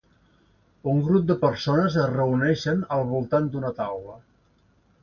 Un grup de persones es reuneixen al voltant d'una taula.